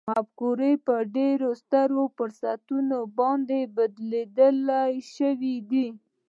مفکورې په ډېرو سترو فرصتونو باندې بدلې شوې دي